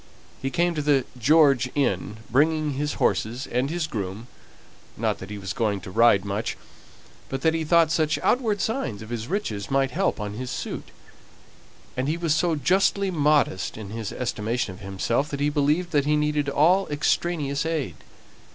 He came to the George Inn, bringing his horses and his groom; not that he was going to ride much, but that he thought such outward signs of his riches might help on his suit; and he was so justly modest in his estimation of himself that he believed that he needed all extraneous aid.